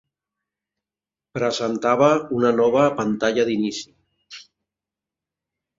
Presentava una nova pantalla d'inici.